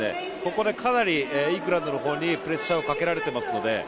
ここでかなりイングランドの方にプレッシャーをかけられていますので。